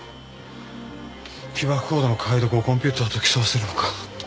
起爆コードの解読をコンピューターと競わせるのか。